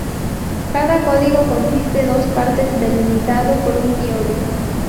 Cada código consiste dos partes, delimitado por un guion.